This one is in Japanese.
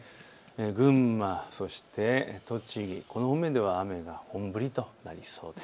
群馬、そして、栃木、この方面では雨が本降りとなりそうです。